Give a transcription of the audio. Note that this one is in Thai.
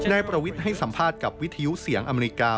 นายประวิทย์ให้สัมภาษณ์กับวิทยุเสียงอเมริกา